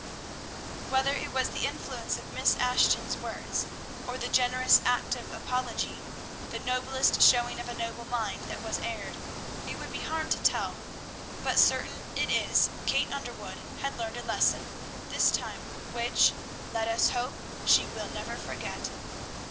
Whether it was the influence of Miss Ashton's words, or the generous act of apology, the noblest showing of a noble mind that has erred, it would be hard to tell; but, certain it is, Kate Underwood had learned a lesson this time which, let us hope, she will never forget.